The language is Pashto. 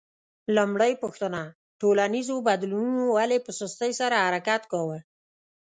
لومړۍ پوښتنه: ټولنیزو بدلونونو ولې په سستۍ سره حرکت کاوه؟